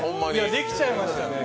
できちゃいましたね。